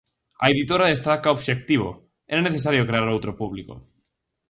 A editora destaca o obxectivo: "Era necesario crear outro público".